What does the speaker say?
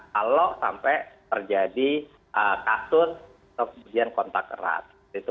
kalau sampai terjadi kasus atau kemudian kontak erat